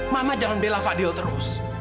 makna jangan bela fadil terus